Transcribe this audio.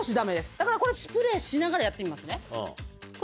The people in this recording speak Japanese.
だからこれスプレーしながらやってみますね。